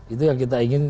itu yang kita ingin